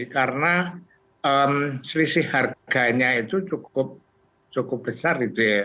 karena selisih harganya itu cukup besar